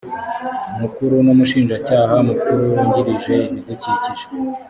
mukuru n umushinjacyaha mukuru wungirije ibidukikije